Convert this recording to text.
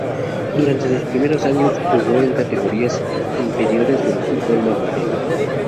Durante sus primeros años jugó en categorías inferiores del fútbol madrileño.